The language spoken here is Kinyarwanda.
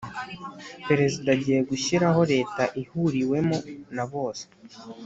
Perezida agiye gushyiraho leta ihuriwemo na bose.